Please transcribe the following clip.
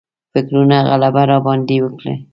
فکرونو غلبه راباندې وکړه.